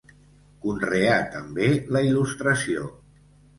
Conreà també la il·lustració.